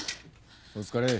お疲れ。